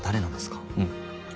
うん。